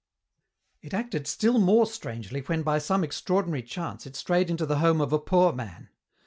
It acted still more strangely when by some extraordinary chance it strayed into the home of a poor man.